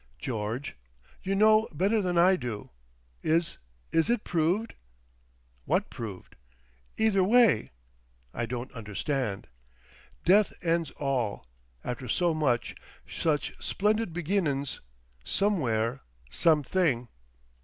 George. You know better than I do. Is—Is it proved?" "What proved?" "Either way?" "I don't understand." "Death ends all. After so much—Such splendid beginnin's. Somewhere. Something."